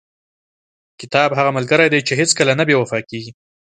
• کتاب ملګری دی چې هیڅکله نه بې وفا کېږي.